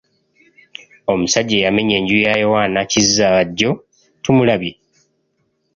Omusajja eyamenya enju ya Yoanna Kizza bajjo tumulabye.